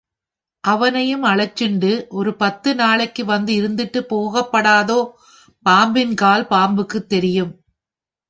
அவனையும் அழைச்சுண்டு ஒரு பத்து நாளைக்கு வந்து இருந்துட்டுப் போகப்படாதோ? பாம்பின் கால் பாம்புக்குத் தெரியும்.